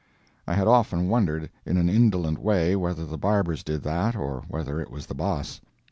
I had often wondered in an indolent way whether the barbers did that, or whether it was the boss.